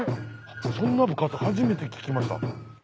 そんな部活初めて聞きました。